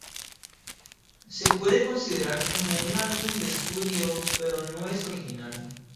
Se puede considerar como un álbum de estudio pero no es original.